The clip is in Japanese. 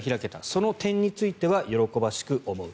その点については喜ばしく思う。